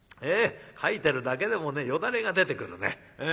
書いてるだけでもねよだれが出てくるね。